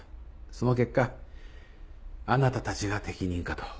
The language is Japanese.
その結果あなたたちが適任かと。